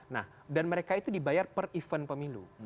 nah dan mereka itu dibayar per event pemilu